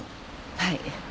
はい。